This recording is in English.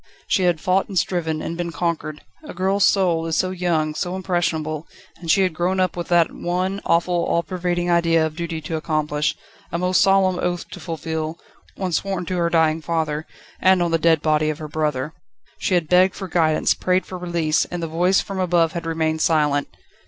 She had fought and striven, and been conquered. A girl's soul is so young, so impressionable; and she had grown up with that one, awful, all pervading idea of duty to accomplish, a most solemn oath to fulfil, one sworn to her dying father, and on the dead body of her brother. She had begged for guidance, prayed for release, and the voice from above had remained silent.